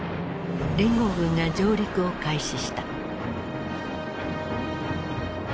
連合軍が上陸を開始した。